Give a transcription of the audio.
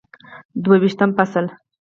دوه ویشتم فصل